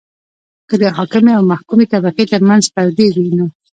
که د حاکمې او محکومې طبقې ترمنځ پردې وي.